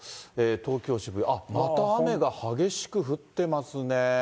東京・渋谷、また雨が激しく降ってますね。